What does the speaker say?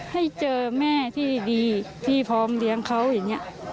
ให้เจอแม่ที่ดีที่พร้อมเลี้ยงเขาอย่างนี้